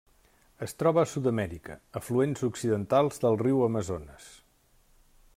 Es troba a Sud-amèrica: afluents occidentals del riu Amazones.